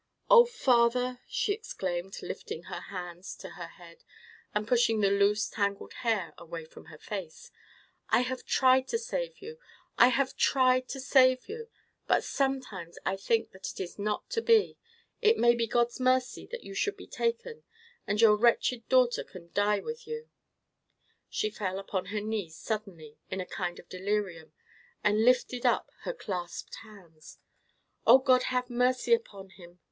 "Oh, father!" she exclaimed, lifting her hands to her head, and pushing the loose tangled hair away from her face; "I have tried to save you—I have tried to save you! But sometimes I think that is not to be. It may be God's mercy that you should be taken, and your wretched daughter can die with you!" She fell upon her knees, suddenly, in a kind of delirium, and lifted up her clasped hands. "O God, have mercy upon him!"